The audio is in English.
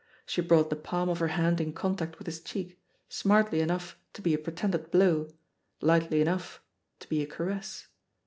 She brought the pahn of her hand in contact with his cheek, smartly enough to be a pretended blow, lightly enough to be a caress.